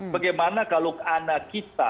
bagaimana kalau anak kita